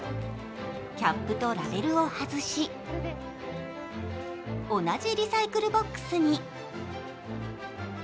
キャップとラベルを外し同じリサイクルボックスに。